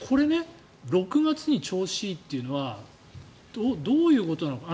６月に調子いいというのはどういうことなのかな。